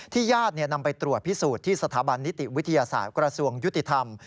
ญาตินำไปตรวจพิสูจน์ที่สถาบันนิติวิทยาศาสตร์กระทรวงยุติธรรม